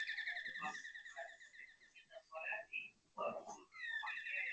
তাহার কাছে ঘেঁষিতে পাওয়াই যেন কতকটা পরিমাণে প্রার্থিত বস্তুকে পাওয়ার শামিল।